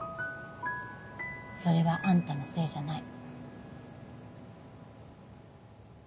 それはあんたのせいじゃない。